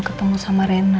ketemu sama rena